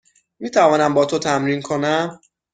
می توانم با تو تمرین کنم؟